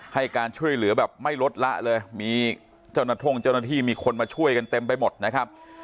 ให้การช่วยเหลือแบบไม่ลดละเลยมีเจ้าหน้าที่มีคนมาช่วยกันเต็มไปหมดนะครับ